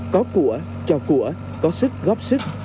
có của cho của có sức góp sức